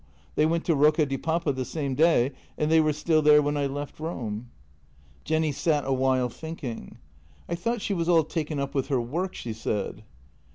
They went to Rocca di Papa the same day, and they were still there when I left Rome." Jenny sat a while thinking. " I thought she was all taken up with her work," she said.